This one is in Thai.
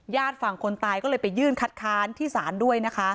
ญาติฝั่งคนตายก็เลยไปยื่นคัดค้านที่สารด้วย